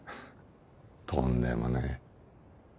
とんでもない。